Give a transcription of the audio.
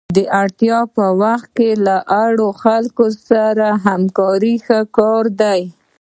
د اړتیا په وخت کې له اړو خلکو سره همکاري ښه کار دی.